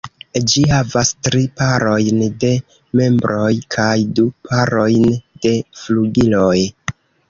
Ĝi havas tri parojn de membroj kaj du parojn de flugiloj.